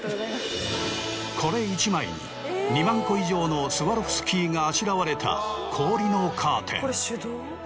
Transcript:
これ１枚に２万個以上のスワロフスキーがあしらわれた氷のカーテン。